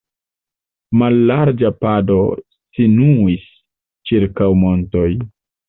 Mallarĝa pado sinuis ĉirkaŭ montoj.